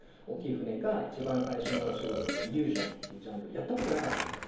船が一番最初のお仕事でイリュージョンっていうジャンルやったことなかったんですよ